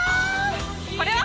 これは？